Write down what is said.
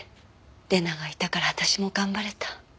礼菜がいたから私も頑張れた。